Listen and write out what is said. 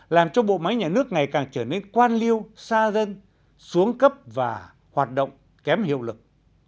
làm cho bộ máy nhà nước ngày càng trở nên quan liêu xa dân xuống cấp và hoạt động kém hiệu lực